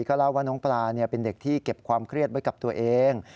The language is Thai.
ก็เล่าว่าน้องปลาเป็นเด็กที่เก็บความเครียดไว้กับตัวเอง